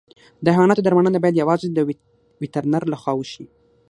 د حیواناتو درملنه باید یوازې د وترنر له خوا وشي.